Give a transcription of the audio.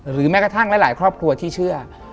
แม้กระทั่งหลายครอบครัวที่เชื่อ